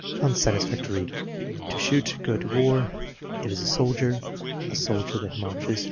Unsatisfactory. "To shoot." "To go to war." "It is a soldier." "A soldier that marches."